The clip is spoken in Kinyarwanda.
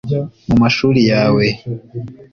mu mashuri yawe